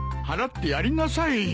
払ってやりなさい。